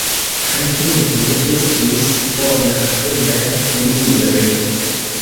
Kredeble estus bona afero eniri.